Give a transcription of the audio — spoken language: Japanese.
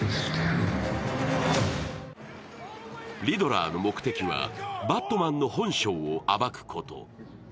リドラーの目的は、バットマンの本性を暴くこと。